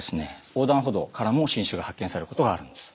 横断歩道からも新種が発見されることがあるんです。